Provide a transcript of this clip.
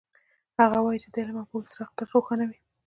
هغه وایي چې د علم او پوهې څراغ تل روښانه وي